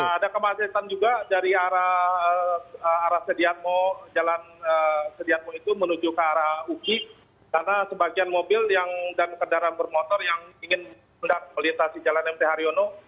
ada kemacetan juga dari arah sediatmo jalan sediatmo itu menuju ke arah uki karena sebagian mobil dan kendaraan bermotor yang ingin melintasi jalan mt haryono